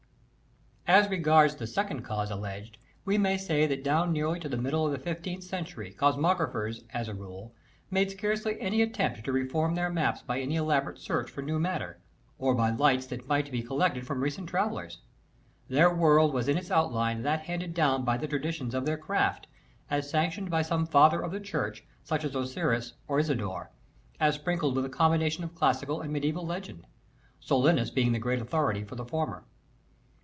80. As regards the second cause alleged, we may say that down nearly to the middle of the 15th century cosmographers, General char as a rule, made scarcely any attempt to reform their ofMedijEvai maps by any elaborate search for new matter, or by Cosmogra phy lights that might be collected from recent travellers. Their world was in its outline that handed down by the tradi tions of their craft, as sanctioned by some Father of the Church, such as Orosius or Isidore, as sprinkled with a combination of classical and mediseval legend ; Solinus being the great authority for the former.